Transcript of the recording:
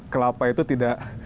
kelapa itu tidak